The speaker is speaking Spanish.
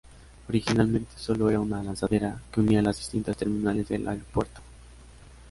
Originalmente sólo era una lanzadera que unía las distintas terminales del aeropuerto.